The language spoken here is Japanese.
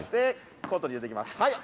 コートに入れていきます。